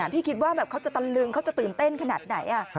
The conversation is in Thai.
คิดว่าเขาจะตะลึงเขาจะตื่นเต้นขนาดไหน